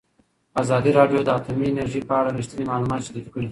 ازادي راډیو د اټومي انرژي په اړه رښتیني معلومات شریک کړي.